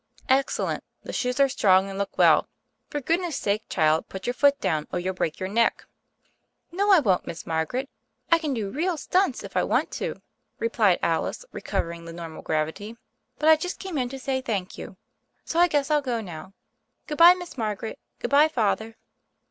"Excellent: the shoes are strong and look well. For goodness sake, child, put your foot down, or you'll break your neck." THE FAIRY OF THE SNOWS 23 "No, I won't, Miss Margaret : I can do real stunts, if I want to," replied Alice, recovering the normal gravity. "But I just came in to say thank you. So I guess FU go now. Good bye, Miss Margaret; good bye. Father."